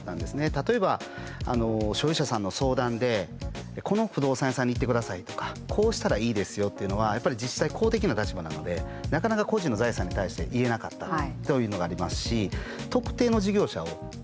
例えば所有者さんの相談でこの不動産屋さんに行ってくださいとかこうしたらいいですよっていうのはやっぱり自治体公的な立場なのでなかなか個人の財産に対して言えなかったというのがありますし特定の事業者をあっせんできない。